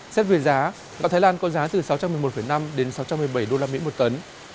xét về giá gạo thái lan có giá từ sáu trăm một mươi một năm đến sáu trăm một mươi bảy usd một tấn